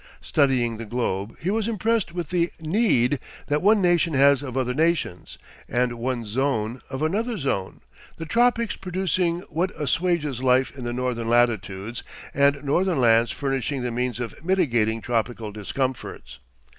Studying the globe, he was impressed with the need that one nation has of other nations, and one zone of another zone; the tropics producing what assuages life in the northern latitudes, and northern lands furnishing the means of mitigating tropical discomforts.